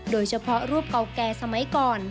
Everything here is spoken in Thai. โดยเฉพาะรูปเก่าแก่สมัยก่อน